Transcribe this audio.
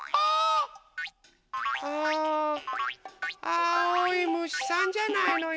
あおいむしさんじゃないのよ！